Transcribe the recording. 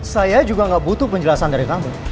saya juga nggak butuh penjelasan dari kamu